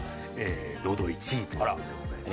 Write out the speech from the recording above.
堂々１位ということでございます。